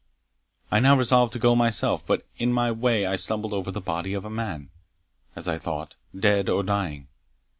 I now resolved to go myself, but in my way I stumbled over the body of a man, as I thought, dead or dying.